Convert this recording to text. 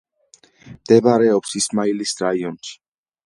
მდებარეობს ისმაილის რაიონში.